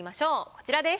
こちらです。